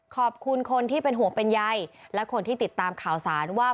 ขอบคุณคนที่เป็นห่วงเป็นใยและคนที่ติดตามข่าวสารว่า